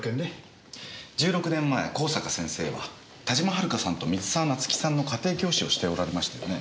１６年前香坂先生は田島遥さんと水沢夏樹さんの家庭教師をしておられましたよね。